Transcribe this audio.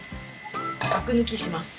アク抜きします。